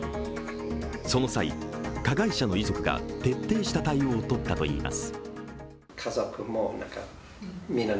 その際、加害者の遺族が徹底した対応を取ったといいます。